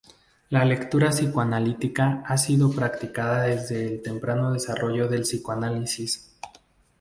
La lectura psicoanalítica ha sido practicada desde el temprano desarrollo del psicoanálisis.